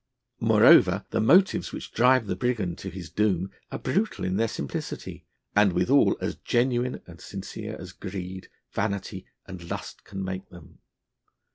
Moreover, the motives which drive the brigand to his doom are brutal in their simplicity, and withal as genuine and sincere as greed, vanity, and lust can make them.